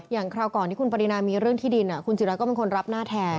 คราวก่อนที่คุณปรินามีเรื่องที่ดินคุณจิราก็เป็นคนรับหน้าแทน